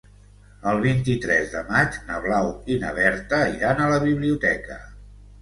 El vint-i-tres de maig na Blau i na Berta iran a la biblioteca.